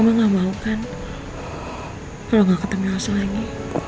mama gak mau kan kalau gak ketemu elsa lagi